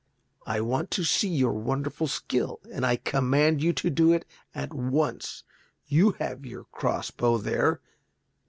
"I want to see your wonderful skill, and I command you to do it at once. You have your crossbow there.